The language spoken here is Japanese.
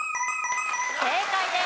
正解です。